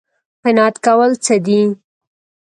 قناعت کول څه دي؟